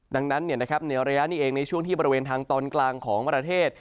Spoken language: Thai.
ดังนั้นในระยะนี้เองในช่วงที่บริเวณทางตอนกลางของประเทศ